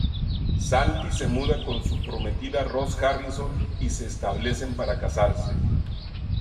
Santi se muda con su prometida Roz Harrison y se establecen para casarse.